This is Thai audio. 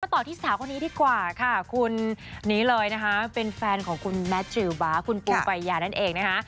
ต่อที่สาวคนนี้ดีกว่าค่ะคุณนี้เลยนะคะเป็นแฟนของคุณแมททิวบาคุณปูปัญญานั่นเองนะคะ